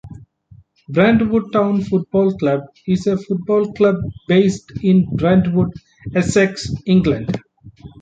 Brentwood Town Football Club is a football club based in Brentwood, Essex, England.